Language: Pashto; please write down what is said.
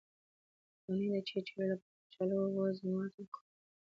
د غڼې د چیچلو لپاره د کچالو او اوبو ضماد وکاروئ